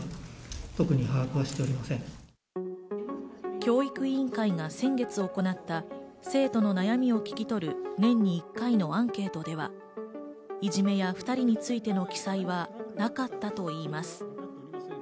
教育委員会が先月行った生徒の悩みを聞き取る、年に１回のアンケートではいじめや２人についての記載はなかったといいます。